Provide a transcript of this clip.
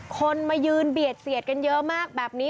คนมายืนเบียดเสียดกันเยอะมากแบบนี้